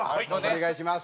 お願いします。